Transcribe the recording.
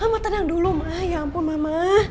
ma mama tenang dulu ma ya ampun mama